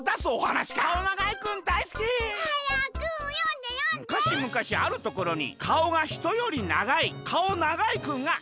「むかしむかしあるところにかおがひとよりながいかおながいくんがいました。